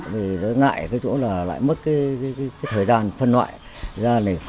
vì ngại cái chỗ là lại mất cái thời gian phân loại ra này